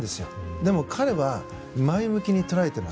でも彼は前向きに捉えています。